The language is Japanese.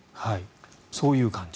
そういう感じ。